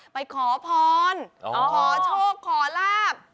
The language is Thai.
ไปขอพรขอโชคขอลาบ